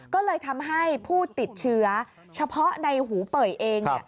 ก็เลยทำให้ผู้ติดเชื้อเฉพาะในหูเป่ยเอง